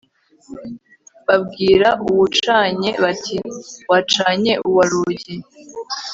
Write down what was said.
babwira uwucanye, bati, wacanye uwa rugi»